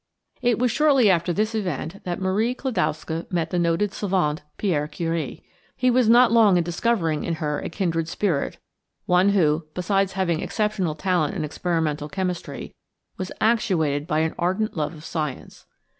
It was shortly after this event that Marie Klodowska met the noted savant, Pierre Curie. He was not long in discovering in her a kindred spirit one who, besides having exceptional talent in experimental chemistry, was actuated by an ardent love of science.